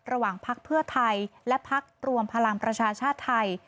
ระหว่างภักดิ์เพื่อไทยและภักดิ์รวมพลังประชาชาติไทย